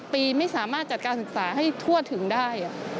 ปีไม่สามารถจัดการศึกษาให้ทั่วถึงได้